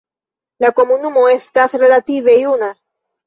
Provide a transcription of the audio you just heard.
La komunumo estas relative juna.